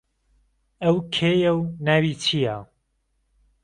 ئەو کێیە و ناوی چییە؟